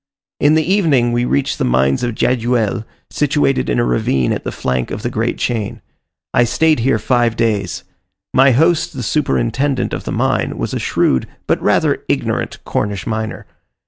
In the evening we reached the mines of Jajuel, situated in a ravine at the flank of the great chain. I stayed here five days. My host the superintendent of the mine, was a shrewd but rather ignorant Cornish miner.